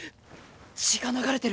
血が流れてる！